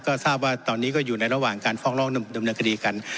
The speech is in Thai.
ก็ทราบว่าตอนนี้ก็อยู่ในระหว่างการฟ้องร้องดำเนินคดีกัน